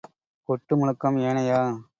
கொட்டு முழக்கம் ஏனையா?